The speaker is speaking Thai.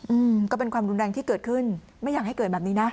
อืมก็เป็นความรุนแรงที่เกิดขึ้นไม่อยากให้เกิดแบบนี้นะ